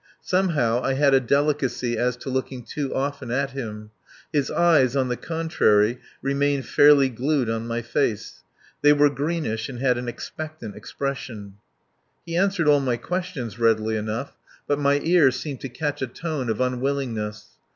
Somehow I had a delicacy as to looking too often at him; his eyes, on the contrary, remained fairly glued on my face. They were greenish and had an expectant expression. He answered all my questions readily enough, but my ear seemed to catch a tone of unwillingness.